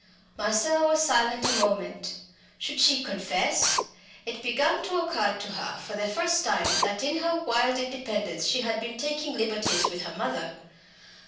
Marcella was silent a moment. Should she confess? It began to occur to her for the first time that in her wild independence she had been taking liberties with her mother.